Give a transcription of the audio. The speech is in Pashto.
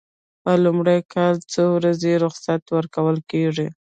په لومړي کال څو ورځې رخصتي ورکول کیږي؟